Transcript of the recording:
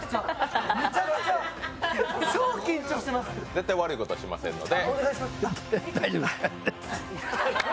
絶対悪いことはしませんので。